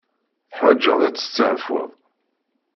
Teḥwaǧeḍ ad testeɛfuḍ.